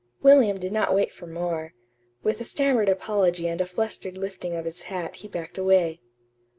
William did not wait for more. With a stammered apology and a flustered lifting of his hat he backed away.